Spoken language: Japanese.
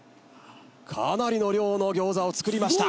かなりの量の餃子を作りました。